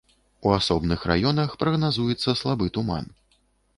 У асобных раёнах прагназуецца слабы туман.